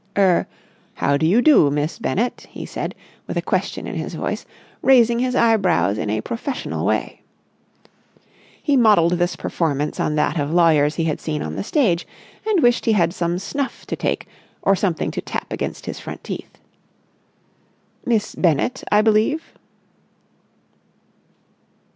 "Er—how do you do, Miss Bennett?" he said with a question in his voice, raising his eyebrows in a professional way. He modelled this performance on that of lawyers he had seen on the stage, and wished he had some snuff to take or something to tap against his front teeth. "Miss Bennett, I believe?"